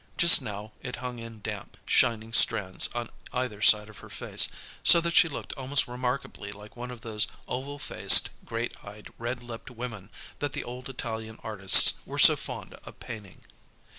Just now it hung in damp, shining strands on either side of her face, so that she looked most remarkably like one of those oval faced, great eyed, red lipped women that the old Italian artists were so fond of painting.